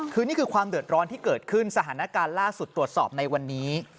คือนี่คือความเดือดร้อนที่เกิดขึ้นสถานการณ์ล่าสุดตรวจสอบในวันนี้